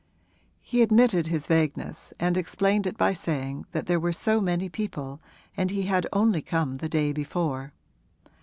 He admitted his vagueness and explained it by saying that there were so many people and he had come only the day before.